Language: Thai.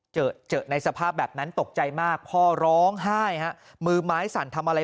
เจอเจอในสภาพแบบนั้นตกใจมากพ่อร้องไห้ฮะมือไม้สั่นทำอะไร